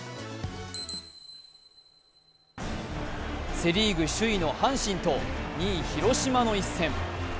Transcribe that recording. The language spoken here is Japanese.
セ・リーグ首位の阪神と２位・広島の一戦。